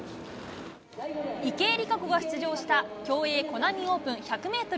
池江璃花子が出場した競泳コナミオープン１００メートル